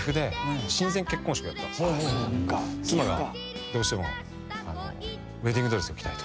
「妻がどうしてもウエディングドレスを着たいと」